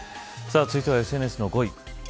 続いては、ＳＮＳの５位。